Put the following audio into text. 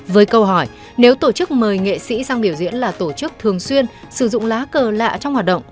với câu hỏi nếu tổ chức mời nghệ sĩ sang biểu diễn là tổ chức thường xuyên sử dụng lá cờ lạ trong hoạt động